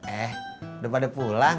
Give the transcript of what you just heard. eh udah pada pulang